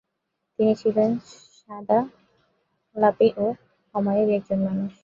তিনি ছিলেন সদালাপী ও অমায়িক একজন মানুষ।